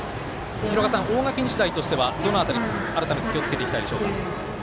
大垣日大としては、どの辺り改めて気をつけていきたいですか。